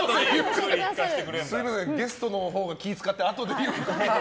すみません、ゲストのほうが気を使ってあとでゆっくり。